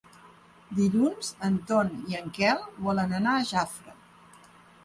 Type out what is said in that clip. Dilluns en Ton i en Quel volen anar a Jafre.